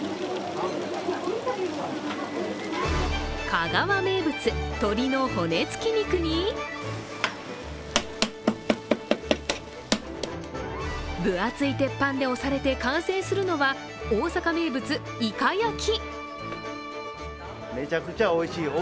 香川名物・鶏の骨付き肉に分厚い鉄板で押されて完成するのは大阪名物・いか焼き。